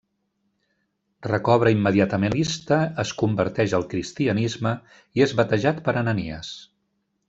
Recobra immediatament la vista, es converteix al cristianisme i és batejat per Ananies.